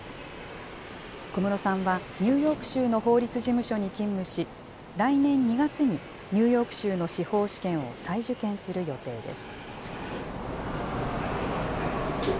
小室さんはニューヨーク州の法律事務所に勤務し、来年２月にニューヨーク州の司法試験を再受験する予定です。